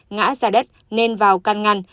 ngã ra đất nên vào căn ngăn